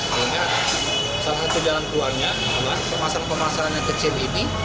artinya salah satu jalan keluarnya adalah pemasaran pemasaran yang kecil ini